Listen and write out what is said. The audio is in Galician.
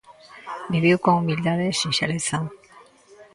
Viviu con humildade e sinxeleza.